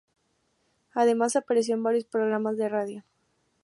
Además apareció en varios programas de radio.